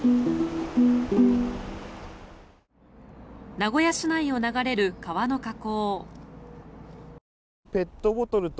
名古屋市内を流れる川の河口。